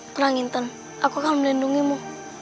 kurang intan aku akan melindungimu